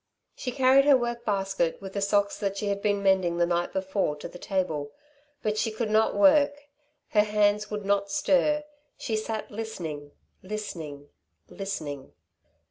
She carried her work basket, with the socks that she had been mending the night before, to the table. But she could not work; her hands would not stir. She sat listening, listening, listening.